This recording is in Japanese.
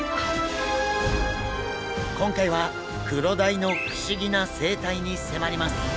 今回はクロダイの不思議な生態に迫ります。